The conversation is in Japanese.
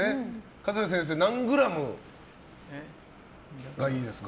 桂先生、何グラムがいいですか。